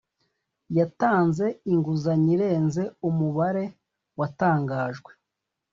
yatanze inguzanyo irenze umubare watangajwe